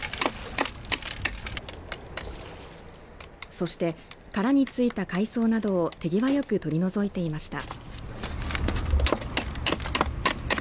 そして殻に付いた海草などを手際よく取り除いていました。